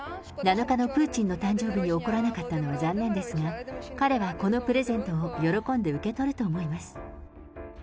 ７日のプーチンの誕生日に起こらなかったのは残念ですが、彼はこのプレゼントを喜んで受け取ると思います。